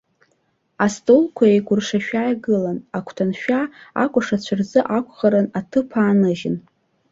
Астолқәа еикәыршашәа игылан, агәҭаншәа, акәашацәа рзы акәхарын, аҭыԥ ааныжьын.